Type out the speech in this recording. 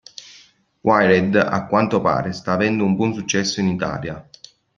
Wired a quanto pare sta avendo un buon successo in Italia.